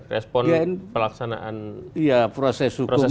respon pelaksanaan proses hukum